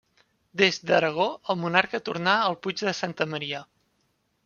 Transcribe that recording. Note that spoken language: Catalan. Des d'Aragó, el monarca tornà al Puig de Santa Maria.